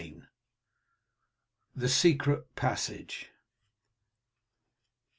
THE SECRET PASSAGE.